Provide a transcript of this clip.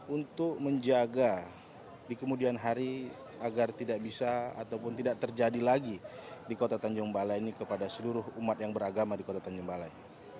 untuk menjaga di kemudian hari agar tidak bisa ataupun tidak terjadi lagi di kota tanjung balai ini kepada seluruh umat yang beragama di kota tanjung balai